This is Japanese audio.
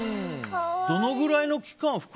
どのぐらいの期間